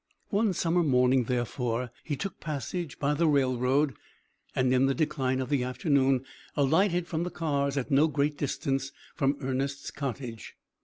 One summer morning, therefore, he took passage by the railroad, and, in the decline of the afternoon, alighted from the cars at no great distance from Ernest's cottage.